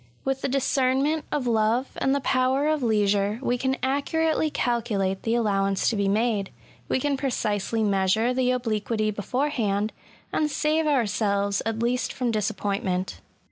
With the discernment of love, and the power of leisure, we can accurately calculate the allowance to be made — ^we can pre cisely measure the obliquity beforehand — and save ourselves at least from disappointment.